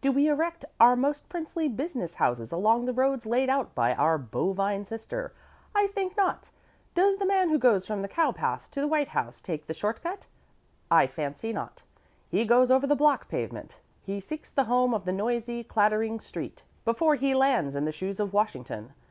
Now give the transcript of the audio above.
Do we erect our most princely business houses along the roads laid out by our bovine sister? I think not. Does the man who goes from the towpath to the White House take the short cut? I fancy not. He goes over the block pavement. He seeks the home of the noisy, clattering street before he lands in the shoes of Washington.